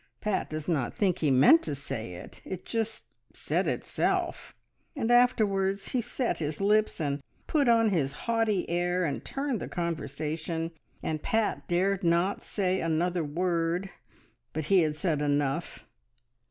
... Pat does not think he meant to say it, it just said itself! And afterwards he set his lips, and put on his haughty air, and turned the conversation, and Pat dared not say another word. But he had said enough.